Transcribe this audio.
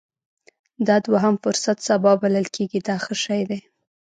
دا دوهم فرصت سبا بلل کېږي دا ښه شی دی.